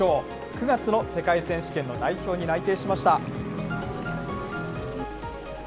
９月の世界選手権の代表に内定しました。